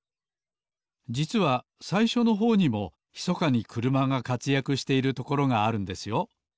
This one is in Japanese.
じつはさいしょのほうにもひそかにくるまがかつやくしているところがあるんですよ